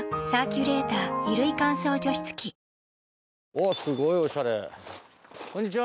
おぉすごいおしゃれこんにちは。